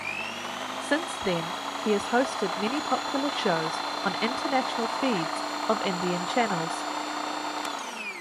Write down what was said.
Since then he has hosted many popular shows on international feeds of Indian channels.